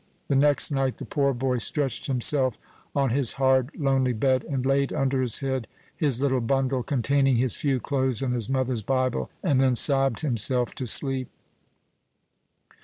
The next night the poor boy stretched himself on his hard, lonely bed, and laid under his head his little bundle, containing his few clothes and his mother's Bible, and then sobbed himself to sleep.